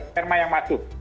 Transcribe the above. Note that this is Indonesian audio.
serma yang masuk